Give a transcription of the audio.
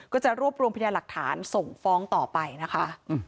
ก็จะรวบรวมพยาหลักฐานส่งฟ้องต่อไปนะคะ